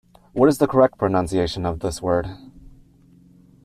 What is the correct pronunciation of this word?